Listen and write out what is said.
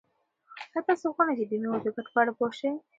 آیا تاسو غواړئ چې د مېوو د ګټو په اړه پوه شئ؟